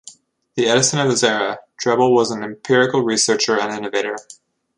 The Edison of his era, Drebbel was an empirical researcher and innovator.